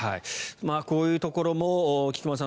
こういうところも菊間さん